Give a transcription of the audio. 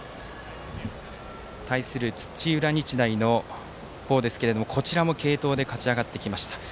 対する土浦日大の方ですけれどもこちらも継投で勝ち上がってきました。